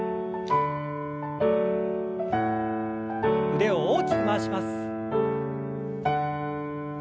腕を大きく回します。